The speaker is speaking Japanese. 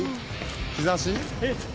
日差し？」